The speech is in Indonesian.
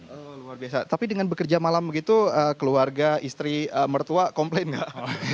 oh luar biasa tapi dengan bekerja malam begitu keluarga istri mertua komplain nggak